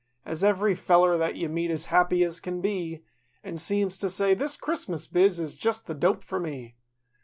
As every feller that you meet is happy as kin be An' seems to say—"This Christmas biz is just the dope for me."